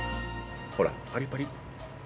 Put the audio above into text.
ほらパリパリ。